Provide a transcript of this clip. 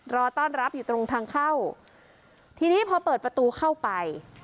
รอต้อนรับอยู่ตรงทางเข้าทีนี้พอเปิดประตูเข้าไป